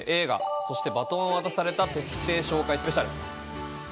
そして、バトンは渡された』紹介スペシャル。